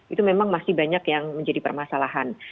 itu memang masih banyak yang menjadi permasalahan